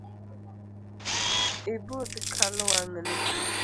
Ibuth kalwangni